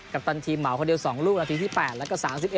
ปตันทีมเหมาคนเดียว๒ลูกนาทีที่๘แล้วก็๓๑